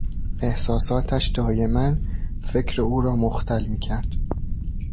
احساساتش دایما فکر او را مختل میکرد.